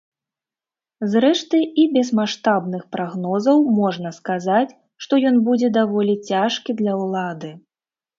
Зрэшты, і без маштабных прагнозаў можна сказаць, што ён будзе даволі цяжкі для ўлады.